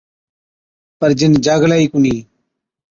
پَر جِن جاگلَي ئِي ڪونهِي۔